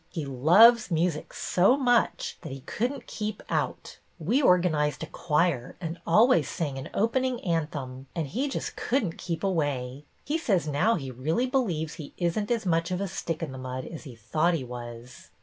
He loves music so much that he could n't keep BETTY AND LOIS 263 out. We organized a choir and always sang an opening anthem; and he just couldn't keep away. He says now he really believes he is n't as much of a stick in the mud as he thought he was."